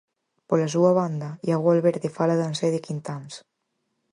Pola súa banda, Iago Valverde fala de Ansede Quintáns.